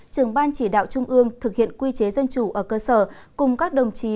trưởng ban chỉ đạo trung ương thực hiện quy chế dân chủ ở cơ sở cùng các đồng chí